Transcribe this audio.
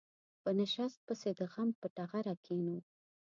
په نشت پسې د غم په ټغره کېنو.